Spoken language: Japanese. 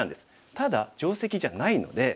ただ定石じゃないので。